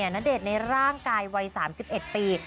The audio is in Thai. ณเดชน์ในร่างกายวัย๓๑ปี